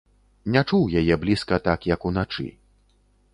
Не чуў яе блізка так, як уначы.